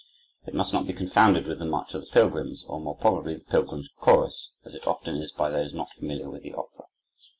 It must not be confounded with the "March of the Pilgrims," or, more properly, the "Pilgrim's Chorus," as it often is by those not familiar with the opera.